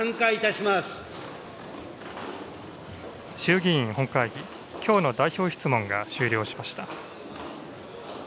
衆議院本会議、きょうの代表質問が終了しました。